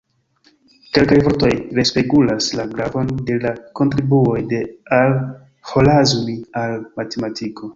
Kelkaj vortoj respegulas la gravon de la kontribuoj de Al-Ĥorazmi al matematiko.